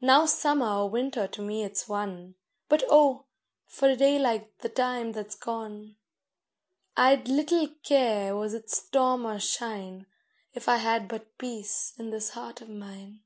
Now summer or winter to me it's one; But oh! for a day like the time that's gone. I'd little care was it storm or shine, If I had but peace in this heart of mine.